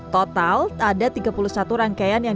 total ada tiga puluh satu rangkaian yang